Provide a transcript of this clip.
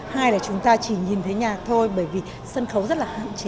hai là chúng ta chỉ nhìn thấy nhạc thôi bởi vì sân khấu rất là hạn chế